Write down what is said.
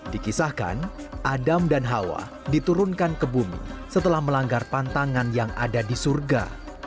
dikisahkan adam dan hawa diturunkan ke bumi setelah melanggar pantangan yang ada di surga